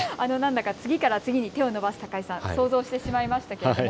次から次に手を伸ばす高井さん、想像してしまいましたけども。